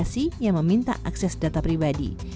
kedua gunakan aplikasi yang meminta akses data pribadi